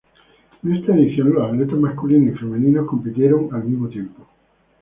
En esta edición los atletas masculinos y femeninos compitieron al mismo tiempo.